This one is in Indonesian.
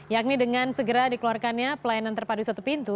yakni dengan segera dikeluarkannya pelayanan terpadu satu pintu